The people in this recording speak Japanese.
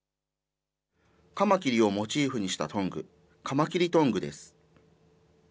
カマキリをモチーフにしたトング、カマキリトングです。